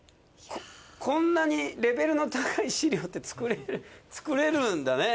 こんなにレベルの高い資料って作れるんだね。